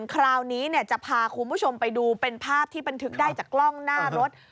คราวนี้จะพาคุณผู้ชมไปดูเป็นภาพที่บันทึกได้จากกล้องหน้ารถ